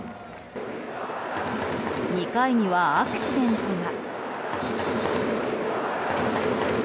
２回にはアクシデントが。